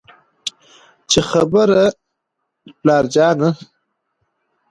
چې خېره پلار جانه